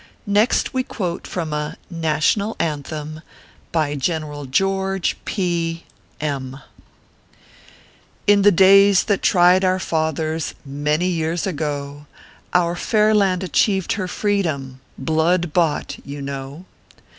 Next we quote from a NATIONAL ANTHEM BY GEN. GEORGE P. M . In the days that tried our fathers Many years ago, Our fair land achieved her freedom, Blood bought, you know.